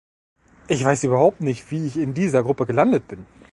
Ich weiß überhaupt nicht, wie ich in dieser Gruppe gelandet bin.